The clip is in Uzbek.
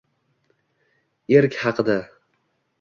Эрк ҳақида